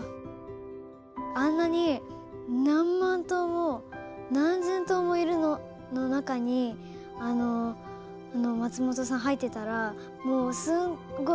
あんなに何万頭も何千頭もいるのの中にあの松本さん入ってたらもうすごいほんとに連れていかれちゃうんじゃないですか？